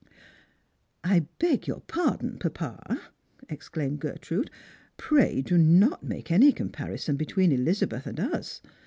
" I beg your pardon, papa," exclaimed Gertrude. " Praj "i^ not make any comjiarison between Elizabeth and us.